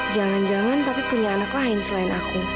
jangan jangan tapi punya anak lain selain aku